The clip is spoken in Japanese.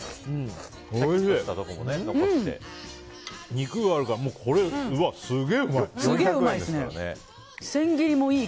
肉があるから、これすげえうまい。